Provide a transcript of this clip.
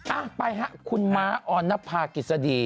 อ่ะไปฮะคุณม้าออนภากิจสดี